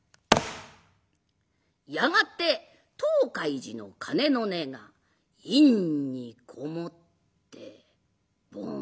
やがて東海寺の鐘の音が陰に籠もってボン。